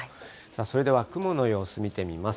それでは雲の様子見てみます。